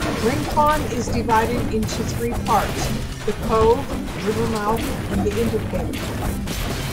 Rincon is divided into three parts: the Cove, Rivermouth, and Indicator.